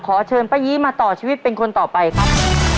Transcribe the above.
ขอเชิญป้ายีมาต่อชีวิตเป็นคนต่อไปครับ